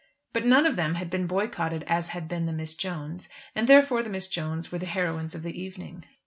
But none of them had been boycotted as had been the Miss Jones'; and therefore the Miss Jones' were the heroines of the evening.